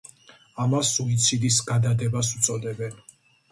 ამას სუიციდის გადადებას უწოდებენ.